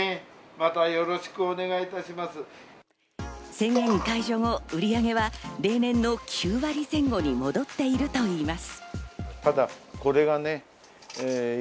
宣言解除後、売上は例年の９割前後に戻っているといいます。